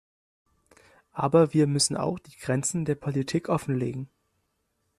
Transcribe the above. Aber wir müssen auch die Grenzen der Politik offenlegen.